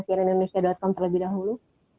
sianindonesia com terlebih dahulu